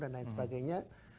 dan lain sebagainya